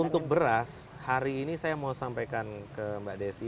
untuk beras hari ini saya mau sampaikan ke mbak desi